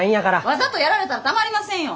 わざとやられたらたまりませんよ。